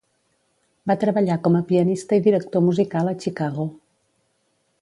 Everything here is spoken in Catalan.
Va treballar com a pianista i director musical a Chicago.